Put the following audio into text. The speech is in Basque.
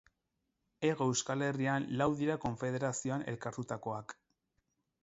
Hego Euskal Herrian lau dira konfederazioan elkartutakoak.